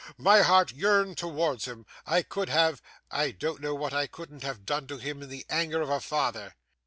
My heart yearned towards him. I could have I don't know what I couldn't have done to him in the anger of a father.